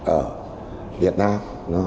ở việt nam